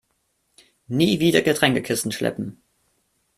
Nie wieder Getränkekisten schleppen!